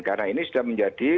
karena ini sudah menjadi